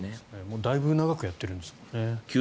だいぶ長くやっているんですもんね。